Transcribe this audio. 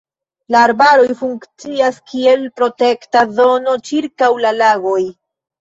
La arbaroj funkcias kiel protekta zono ĉirkaŭ la lagoj.